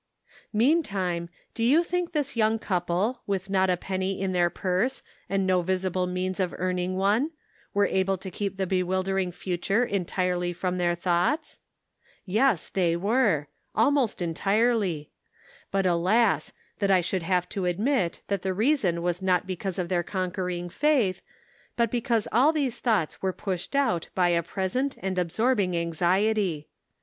Meantime, do you think this young couple, with not a penny in their purse, and no visible means of earning one, were able to keep the bewildering future entirely from their thoughts ? Yes, they were ; almost entirely. But alas ! that I should have to admit that the reason was not because of their conquering faith, but because all these thoughts were pushed out by a present and absorbing anxiety.